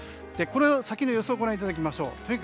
この先の予想をご覧いただきましょう。